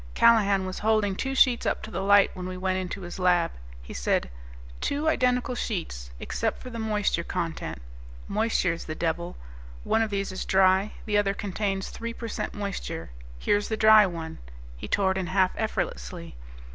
Callahan was holding two sheets up to the light when we went into his lab. He said, "Two identical sheets, except for the moisture content. Moisture is the devil. One of these is dry, the other contains three per cent moisture. Here's the dry one." He tore it in half effortlessly.